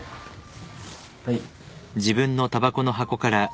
はい。